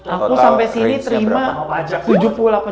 aku sampe sini terima